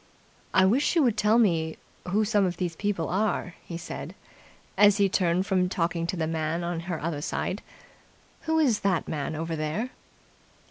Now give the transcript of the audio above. "I wish you would tell me who some of these people are," he said, as she turned from talking to the man on her other side. "Who is the man over there?"